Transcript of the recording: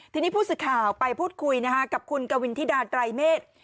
ทีนี้ผู้สื่อข่าวไปพูดคุยกับคุณกวินธิดาไตรเมฆ